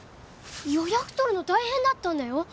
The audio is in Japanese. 予約取るの大変だったんだよ。